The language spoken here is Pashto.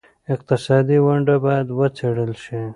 اقتصادي ونډه باید وڅېړل شي.